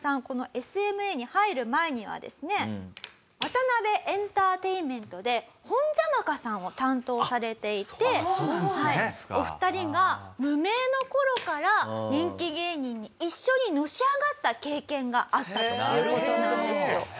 このＳＭＡに入る前にはですねワタナベエンターテインメントでホンジャマカさんを担当されていてお二人が無名の頃から人気芸人に一緒にのし上がった経験があったという事なんですよ。